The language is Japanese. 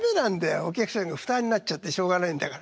お客さんが負担なっちゃってしょうがないんだから」。